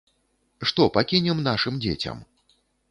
Што пакінем нашым дзецям?